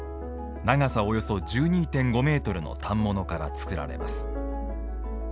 長さおよそ１２．５メートルの反物から作られます。